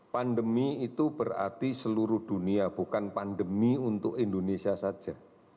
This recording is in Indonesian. pandemi itu berarti seluruh dunia bukan pandemi untuk indonesia saja